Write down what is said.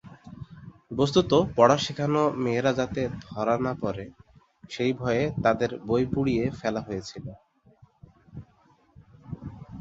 বস্তুত, পড়া শেখানো মেয়েরা যাতে ধরা না পরে সেই ভয়ে তাদের বই পুড়িয়ে ফেলা হয়েছিল।